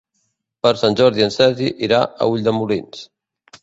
Per Sant Jordi en Sergi irà a Ulldemolins.